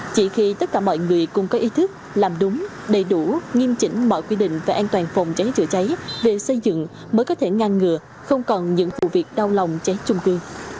chỉ khi tất cả mọi người cùng có ý thức làm đúng đầy đủ nghiêm chỉnh mọi quy định về an toàn phòng cháy chữa cháy về xây dựng mới có thể ngang ngừa không còn những vụ việc đau lòng cháy chung cư